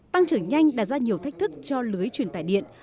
tăng trưởng nhanh đạt ra nhiều thách thức cho lưới truyền tài điện